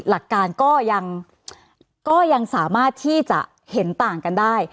หลักการก็ยังสามารถที่จะเห็นต่างกันได้